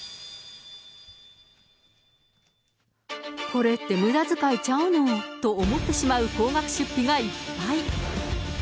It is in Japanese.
これって、むだづかいちゃうの？と思ってしまう高額出費がいっぱい。